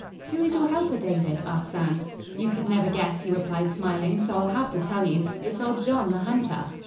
"Who is your helper, David?" asked Anne. "You could never guess," he replied smiling, "so I'll have to tell you. It's old Jean, the hunter."